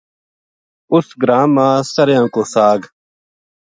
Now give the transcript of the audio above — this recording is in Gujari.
اس گراں ما سریاں کو ساگ